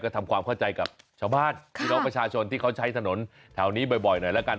ทำความเข้าใจกับชาวบ้านพี่น้องประชาชนที่เขาใช้ถนนแถวนี้บ่อยหน่อยแล้วกัน